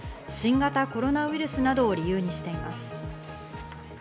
新型コロナウイルスなどを理由にしています。